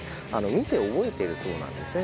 見て覚えてるそうなんですね。